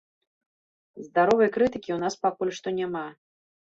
Здаровай крытыкі ў нас пакуль што няма.